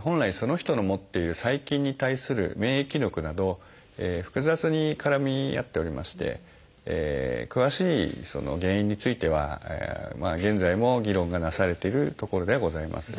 本来その人の持っている細菌に対する免疫力など複雑に絡み合っておりまして詳しい原因については現在も議論がなされているところではございます。